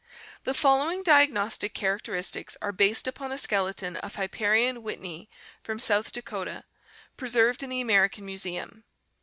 The following diagnostic characteristics are based upon a skeleton of Hipparion whitneyi from South Dakota, preserved in the American Museum.